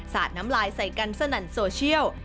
สาดน้ำลายใส่กันสนั่นโซเชียล